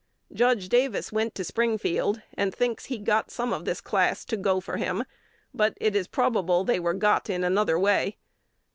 Judge Davis went to Springfield, and thinks he "got some" of this class "to go for" him; but it is probable they were "got" in another way.